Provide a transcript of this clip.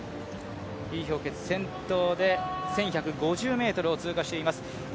李氷潔、先頭で１１５０ｍを通過しています。